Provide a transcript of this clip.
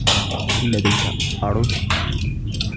هل لديك أرز ؟